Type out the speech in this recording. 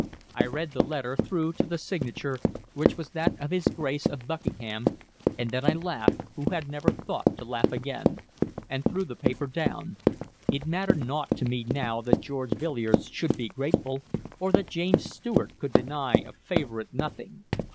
I read the letter through to the signature, which was that of his Grace of Buckingham, and then I laughed, who had never thought to laugh again, and threw the paper down. It mattered naught to me now that George Villiers should be grateful, or that James Stewart could deny a favorite nothing.